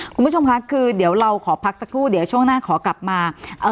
คุณผู้ชมค่ะคือเดี๋ยวเราขอพักสักครู่เดี๋ยวช่วงหน้าขอกลับมาเอ่อ